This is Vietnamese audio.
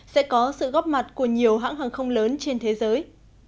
sẽ có sự góp mặt của nhiều hãng hàng không lớn trên thế giới